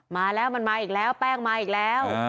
มาแล้วมันมาอีกแล้วแป้งมาอีกแล้ว